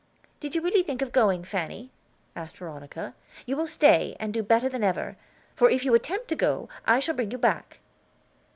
"Did you really think of going, Fanny?" asked Veronica. "You will stay, and do better than ever, for if you attempt to go, I shall bring you back."